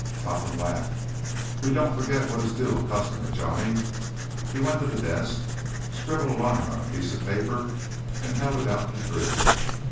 Topham laughed. "We don't forget what is due a customer, Johnny." He went to the desk, scribbled a line on a piece of paper, and held it out to Drew.